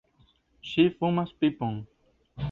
Ŝi fumas pipon!